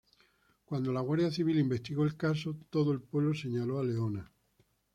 Cuando la Guardia Civil investigó del caso, todo el pueblo señaló a Leona.